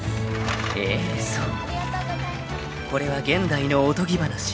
［ええそうこれは現代のおとぎ話］